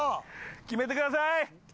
決めてください！